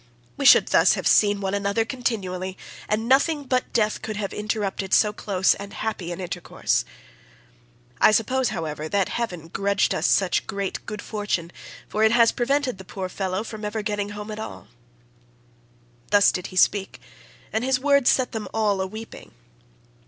We should thus have seen one another continually, and nothing but death could have interrupted so close and happy an intercourse. I suppose, however, that heaven grudged us such great good fortune, for it has prevented the poor fellow from ever getting home at all." Thus did he speak, and his words set them all a weeping.